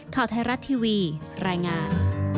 ข่าวไทยรัฐทีวีรายงาน